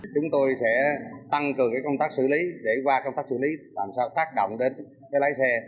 chúng tôi sẽ tăng cường công tác xử lý để qua công tác xử lý làm sao tác động đến lái xe